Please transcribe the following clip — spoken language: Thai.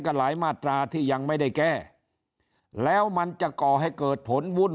หลายมาตราที่ยังไม่ได้แก้แล้วมันจะก่อให้เกิดผลวุ่น